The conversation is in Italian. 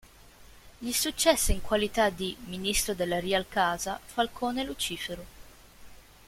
Gli successe in qualità di "ministro della real casa" Falcone Lucifero.